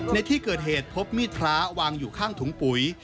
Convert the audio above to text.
ในที่เกิดเหตุพบมีดพระวางอยู่ข้างถุงปุ๋ย